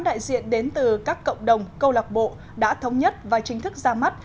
chín đại diện đến từ các cộng đồng câu lạc bộ đã thống nhất và chính thức ra mắt